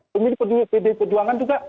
pemilih pd perjuangan juga